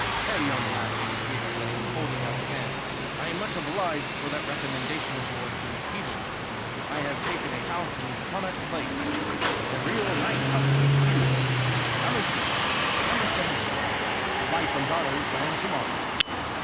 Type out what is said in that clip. "Say, young man," he exclaimed, holding out his hand, "I am much obliged for that recommendation of yours to these people! I have taken a house in Connaught Place a real nice house it is, too. Come and see us number 17. The wife and daughters land to morrow."